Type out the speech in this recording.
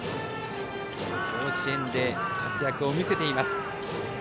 甲子園で活躍を見せています。